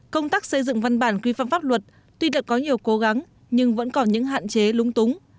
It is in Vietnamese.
công tác xây dựng văn bản quy phạm pháp luật tuy đã có nhiều cố gắng nhưng vẫn còn những hạn chế lúng túng